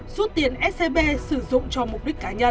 rút tiền scb sử dụng cho mục đích cá nhân